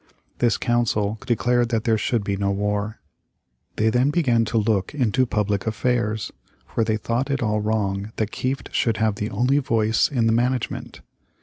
This council declared that there should be no war. They then began to look into public affairs, for they thought it all wrong that Kieft should have the only voice in the management.